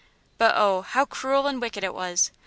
But oh! how cruel and wicked it was!